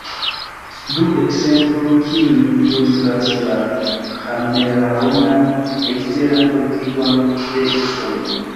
Du ekzemploj, kiuj ilustras la ĥameleonan eksteran politikon de Usono.